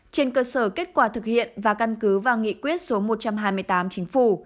trên cơ sở kết quả thực hiện và căn cứ vào nghị quyết số một trăm hai mươi tám chính phủ